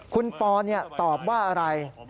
คุณปอร์เนี่ยตอบว่าอะไร